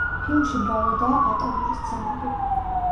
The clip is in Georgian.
ფილმში მრავლადაა ბატალური სცენები.